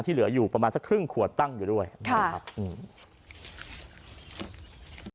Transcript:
เหลืออยู่ประมาณสักครึ่งขวดตั้งอยู่ด้วยนะครับอืม